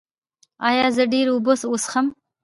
ایا زه ډیرې اوبه وڅښم؟